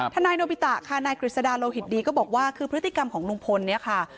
ทนายโนบิตะค่ะนายกฤษดาโลหิตดีก็บอกว่าคือพฤติกรรมของลุงพลเนี่ยค่ะ